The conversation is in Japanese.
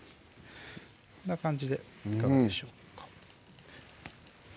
こんな感じでいかがでしょうか